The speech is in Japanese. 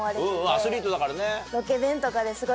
アスリートだからね。